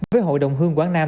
với hội đồng hương quảng nam